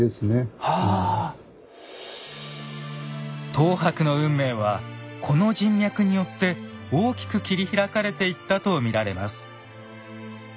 等伯の運命はこの人脈によって大きく切り開かれていったと見られます。